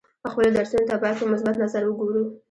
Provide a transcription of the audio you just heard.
خپلو درسونو ته باید په مثبت نظر وګورو.